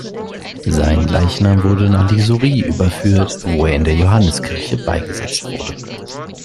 Sein Leichnam wurde nach Lixouri überführt, wo er in der Johanneskirche beigesetzt wurde.